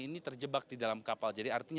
ini terjebak di dalam kapal